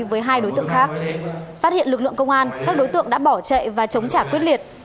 với hai đối tượng khác phát hiện lực lượng công an các đối tượng đã bỏ chạy và chống trả quyết liệt